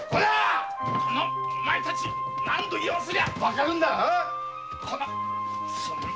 お前たち何度言わせりゃわかるんだ！